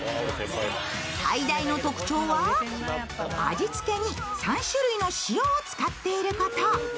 最大の特徴は、味付けに３種類の塩を使っていること。